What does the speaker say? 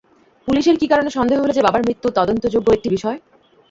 পুলিশের কী কারণে সন্দেহ হল যে বাবার মৃত্যু তদন্তযোগ্য একটি বিষয়?